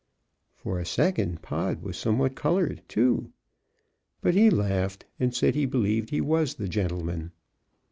For a second Pod was somewhat colored, too; but he laughed, and said he believed he was the gentleman.